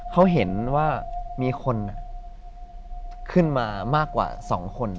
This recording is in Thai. เขาเห็นว่ามีคนขึ้นมามากกว่า๒คน